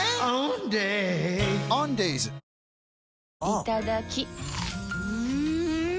いただきっ！